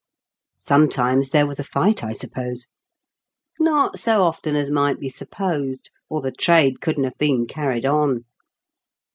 " Sometimes there was a fight, I suppose ?" "Not so often as might be supposed, or the trade couldn't have been carried on.